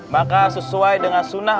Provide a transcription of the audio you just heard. maka sesuai dengan sunnah